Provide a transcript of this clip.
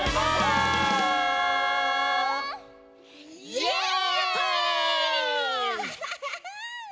イエーイ！